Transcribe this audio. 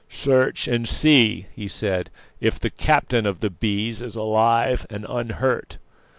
"Search and see," he said, "if the captain of the Bees is alive and unhurt."